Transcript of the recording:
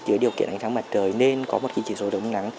dưới điều kiện ánh sáng mặt trời nên có một chỉ số chống nắng